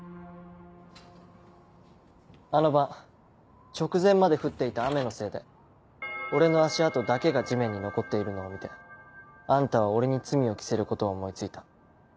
あの晩直前まで降っていた雨のせいで俺の足跡だけが地面に残っているのを見てあんたは俺に罪を着せることを思い付いた。